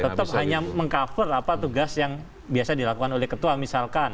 tetap hanya meng cover apa tugas yang biasa dilakukan oleh ketua misalkan